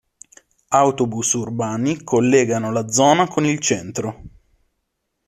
Autobus urbani collegano la zona con il centro.